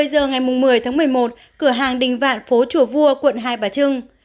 một mươi giờ ngày một mươi tháng một mươi một cửa hàng đình vạn phố chùa vua quận hai bà trưng